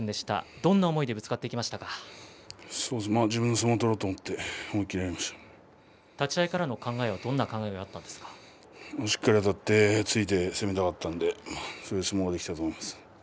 どんな思いで自分の相撲を取ろうと立ち合いの考えはしっかりあたって攻めたかったのでそういう相撲ができたと思います。